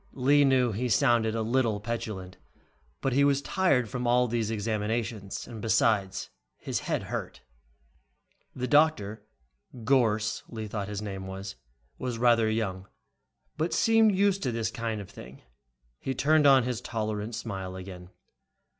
Lee knew he sounded a little petulant, but he was tired from all these examinations, and besides, his head hurt. The doctor, Gorss, Lee thought his name was, was rather young but seemed used to this kind of thing. He turned on his tolerant smile again.